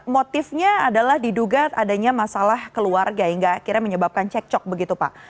motifnya adalah diduga adanya masalah keluarga yang gak akhirnya menyebabkan cekcok begitu pak